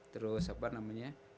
terus apa namanya